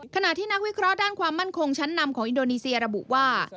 ขณะที่นักวิเคราะห์ด้านความมั่นคงชั้นนำของอินโดนีเซียระบุว่า